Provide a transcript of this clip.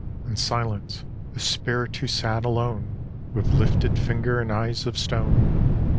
And Silence, a spirit who sat alone With lifted finger and eyes of stone.